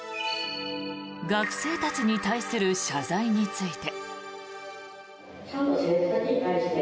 学生たちに対する謝罪について。